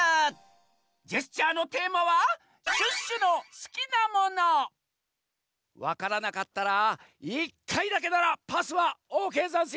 ジェスチャーのテーマはわからなかったら１かいだけならパスはオーケーざんすよ。